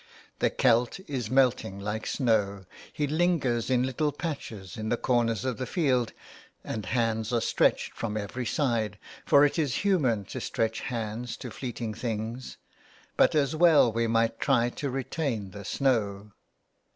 " The Celt is melting like snow, he lingers in little patches in the corners of the field, and hands are stretched from every side, for it is human to stretch hands to fleeting things, but as well might we try to retain the snow."